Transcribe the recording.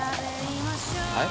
はい？